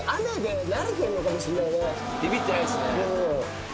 ビビってないですね。